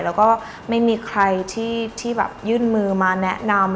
แล้วก็ไม่มีใครที่แบบยื่นมือมาแนะนำ